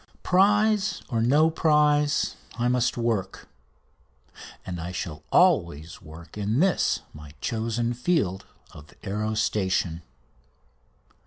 Prize or no prize, I must work, and I shall always work in this my chosen field of aerostation.